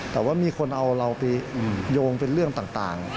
แต่ว่ามีคนเอาเราไปโยงเป็นเรื่องต่าง